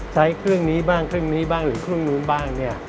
ใช้เครื่องนี้บ้างเครื่องนี้บ้างหรือครึ่งนู้นบ้างเนี่ย